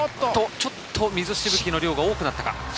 ちょっと水しぶきの量が多くなったか。